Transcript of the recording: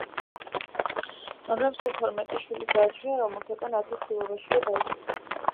მარიამ სულ თორმეტი შვილი გააჩინა, რომელთაგან ათი ჩვილობაშივე დაიღუპა.